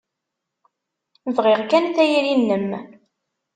Bɣiɣ kan tayri-nnem.